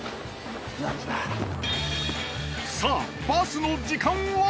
さあバスの時間は！？